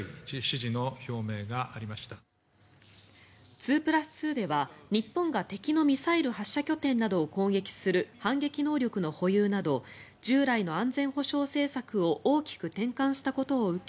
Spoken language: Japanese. ２プラス２では、日本が敵のミサイル発射拠点などを攻撃する反撃能力の保有など従来の安全保障政策を大きく転換したことを受け